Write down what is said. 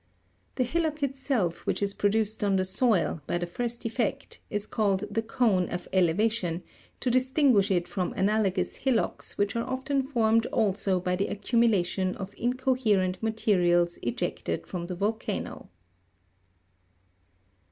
The hillock itself which is produced on the soil, by the first effect, is called the cone of elevation, to distin guish it from analogous hillocks which are often formed also by the accumulation of incoherent materials ejected from the volcano.